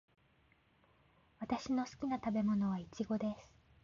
私の好きな食べ物はイチゴです。